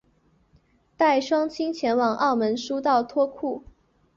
带双亲前往澳门输到脱裤